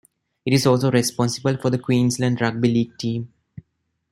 It is also responsible for the Queensland Rugby League team.